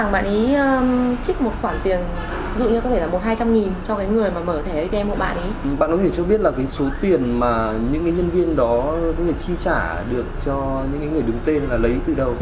bạn có thể cho biết là cái số tiền mà những nhân viên đó có thể chi trả được cho những người đứng tên là lấy từ đâu